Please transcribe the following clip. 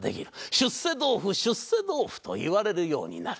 出世豆腐出世豆腐といわれるようになる。